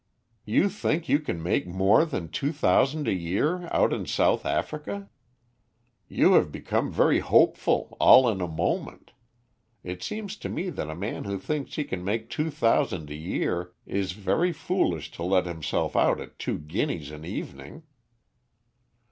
"You think you can make more than two thousand a year out in South Africa? You have become very hopeful all in a moment. It seems to me that a man who thinks he can make two thousand a year is very foolish to let himself out at two guineas an evening."